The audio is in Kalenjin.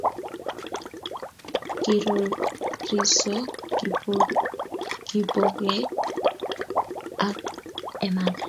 Kiroriso Kipokeo ak Emali